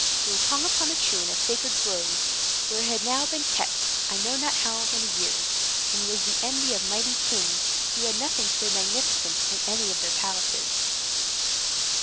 It was hung upon a tree in a sacred grove, where it had now been kept I know not how many years, and was the envy of mighty kings, who had nothing so magnificent in any of their palaces.